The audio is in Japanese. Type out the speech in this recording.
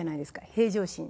平常心。